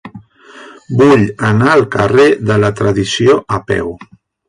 Vull anar al carrer de la Tradició a peu.